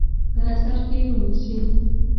په نظر کې ونیسي.